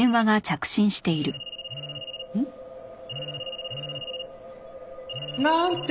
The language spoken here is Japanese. ん？なんて